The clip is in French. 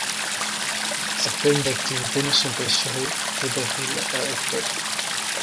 Certaines activités ne sont assurées que d’avril à octobre.